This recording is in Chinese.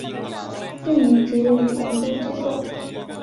姓名职业与研究机构